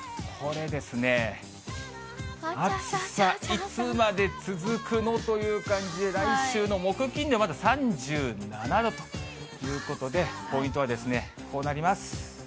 いつまで続くのという感じで、来週の木、金でもまだ３７度ということで、ポイントはですね、こうなります。